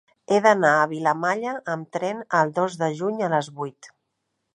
He d'anar a Vilamalla amb tren el dos de juny a les vuit.